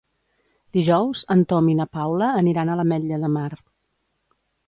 Dijous en Tom i na Paula aniran a l'Ametlla de Mar.